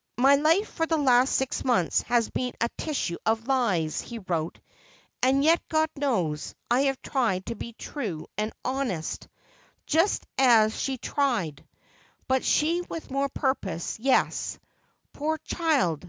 ' My life for the last six months has been a tissue of lies,' he wrote ;' and yet, God knows, I have tried to be true and honest, 368 Asphodel. just as she tried ; but she with more purpose, yes, poor child